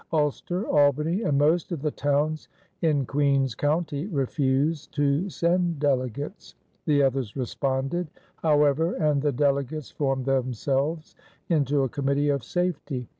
Ulster, Albany, and most of the towns in Queens County refused to send delegates. The others responded, however, and the delegates formed themselves into a committee of safety.